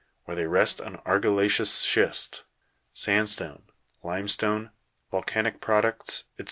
where they rest on argilla'ceous schist, sandstone, limestone, volcanic products, &c.